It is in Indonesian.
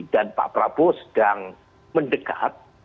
dan pak prabowo sedang mendekat